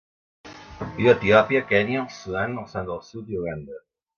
Viu a Etiòpia, Kenya, el Sudan, el Sudan del Sud i Uganda.